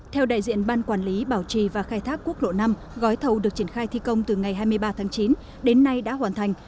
theo đại diện ban quản lý bảo trì và khai thác quốc lộ năm gói thầu được triển khai thi công từ ngày hai mươi ba tháng chín đến nay đã hoàn thành